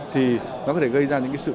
thì nó có thể gây ra những sự khó khăn